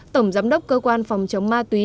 tổng giám đốc cơ quan phòng chống ma túy